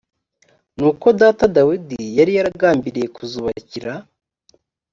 nuko data dawidi yari yaragambiriye kuzubakira